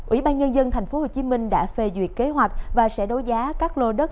ủy ban nhân dân tp hcm đã phê duyệt kế hoạch và sẽ đấu giá các lô đất